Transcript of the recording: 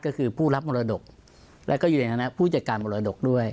ก็คือผู้รับมรดกแล้วก็อยู่ในฐานะผู้จัดการมรดกด้วย